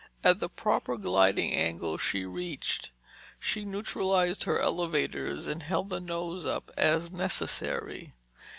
As the proper gliding angle was reached, she neutralized her elevators and held the nose up as necessary.